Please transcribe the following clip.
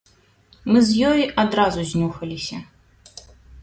Мы з ёй адразу знюхаліся.